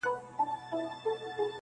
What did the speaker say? • ستا د غزلونو و شرنګاه ته مخامخ يمه_